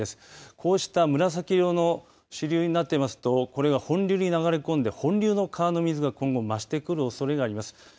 こうした紫色の主流になっていますとこれが本流に流れ込んで本流の川の水が今後、増してくるおそれがあります。